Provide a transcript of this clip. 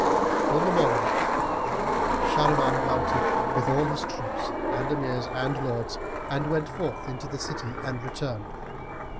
On the morrow Shahriman mounted, with all his troops and Emirs and Lords, and went forth into the city and returned.